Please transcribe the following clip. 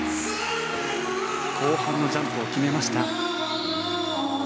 後半のジャンプを決めました。